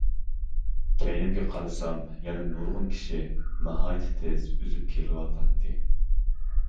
كەينىمگە قارىسام يەنە نۇرغۇن كىشى ناھايىتى تېز ئۈزۈپ كېلىۋاتاتتى.